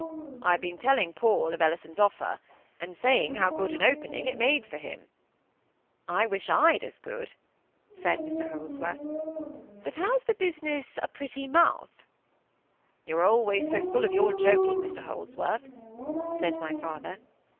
"I've been telling Paul of Ellison's offer, and saying how good an opening it made for him—" "I wish I'd as good," said Mr Holdsworth. "But has the business a 'pretty mouth'? "You're always so full of your joking, Mr Holdsworth," said my father.